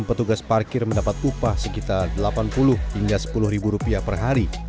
petugas parkir mendapat upah sekitar delapan puluh hingga sepuluh ribu rupiah per hari